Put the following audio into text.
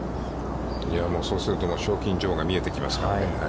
そうすると、賞金女王が見えてきますからね。